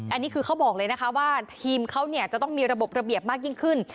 อันนี้คือเขาบอกเลยนะคะว่าทีมเขาเนี่ยจะต้องมีระบบระเบียบมากยิ่งขึ้น